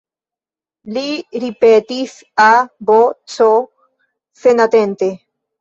Li ripetis, A, B, C, senatente.